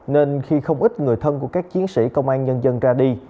nên khi không ít người thân của các chiến sĩ công an nhân dân ra đi